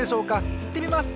いってみます！